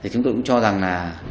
chúng tôi cũng cho rằng là